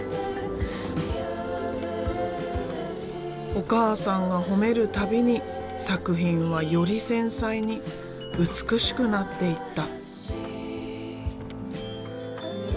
お母さんが褒める度に作品はより繊細に美しくなっていった。